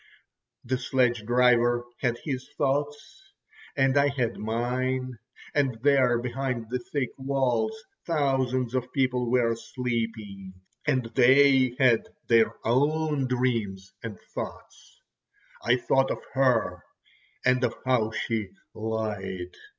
The sledge driver had his thoughts, and I had mine, and there behind the thick walls thousands of people were sleeping, and they had their own dreams and thoughts. I thought of her, and of how she lied.